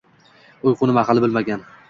Uyqu nima hali bilmagan